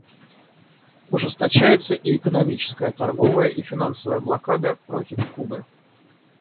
Ужесточается и экономическая, торговая и финансовая блокада против Кубы.